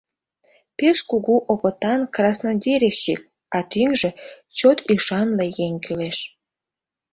Пеш кугу опытан краснодеревщик, а тӱҥжӧ — чот ӱшанле еҥ кӱлеш.